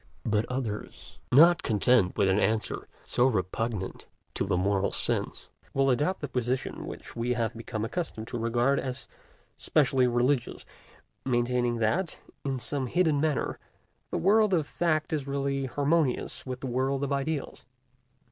But others, not content with an answer so repugnant to the moral sense, will adopt the position which we have become accustomed to regard as specially religious, maintaining that, in some hidden manner, the world of fact is really harmonious with the world of ideals.